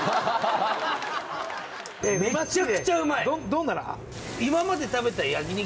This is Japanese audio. どんなだ？